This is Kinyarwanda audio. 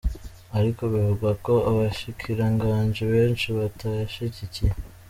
Ariko bivugwa ko abashikiranganji benshi batayashigikiye.